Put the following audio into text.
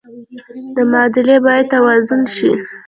دا معادلې باید توازن شي.